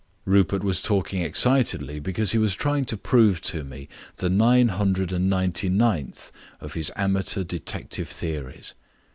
Rupert was talking excitedly because he was trying to prove to me the nine hundred and ninety ninth of his amateur detective theories.